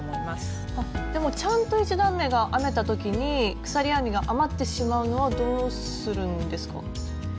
でもちゃんと１段めが編めた時に鎖編みが余ってしまうのはどうするんですか？